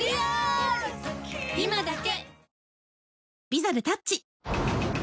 今だけ！